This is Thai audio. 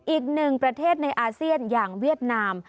อีกหนึ่งประเทศในอาเซียนอย่างเวียดนาม